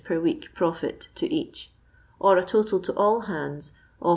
per week profit to each, or a total to all hands of 47